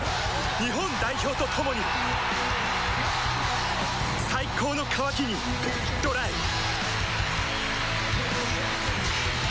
日本代表と共に最高の渇きにＤＲＹさぁ